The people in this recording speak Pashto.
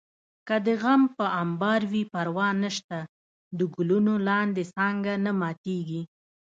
که دې غم په امبار وي پروا نشته د ګلونو لاندې څانګه نه ماتېږي